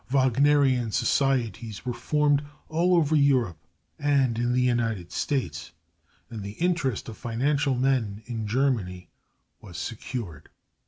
Wagnerian societies were formed all over Europe, and in the United States, and the interest of financial men in Germany was secured.